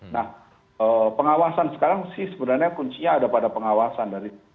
nah pengawasan sekarang sih sebenarnya kuncinya ada pada pengawasan dari